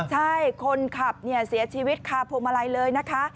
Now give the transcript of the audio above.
ใช่คนขับเสียชีวิตคาพวงมาลัยเลยนะคะ